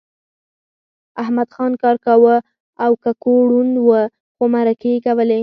احمدخان کار کاوه او ککو ړوند و خو مرکې یې کولې